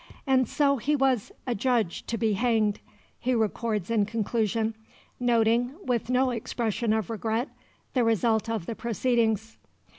"And so he was adjudged to be hanged," he records in conclusion, noting, with no expression of regret, the result of the proceedings.